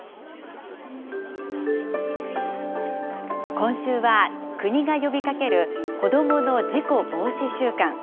今週は、国が呼びかける子どもの事故防止週間。